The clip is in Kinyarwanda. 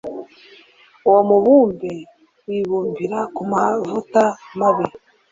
uwo mubumbe wibumbira ku mavuta mabi